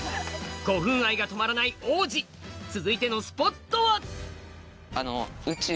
古墳愛が止まらない王子続いてのスポットは？